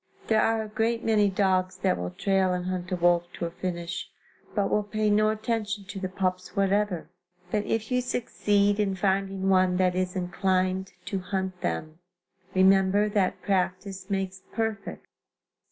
There are a great many dogs that will trail and hunt a wolf to a finish, but will pay no attention to the pups whatever; but if you succeed in finding one that is inclined to hunt them, remember that practice makes perfect.